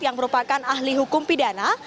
yang merupakan ahli hukum pidana